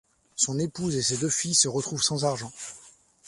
Son épouse et ses deux filles se retrouvent sans argent.